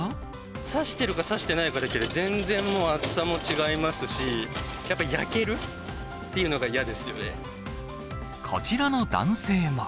差してるか、差してないかだけで、全然もう、暑さも違いますし、やっぱり焼けこちらの男性は。